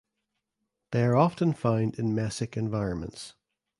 They are often found in mesic environments.